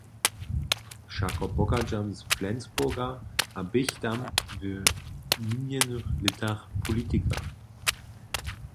Wšako pochadźam z Flensburga a běch tam w minjenych lětach politikar.